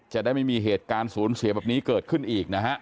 จะได้ไม่มีเหตุการณ์ศูนย์เสียแบบนี้เกิดขึ้นอีกนะฮะ